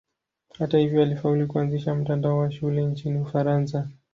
Hata hivyo alifaulu kuanzisha mtandao wa shule nchini Ufaransa.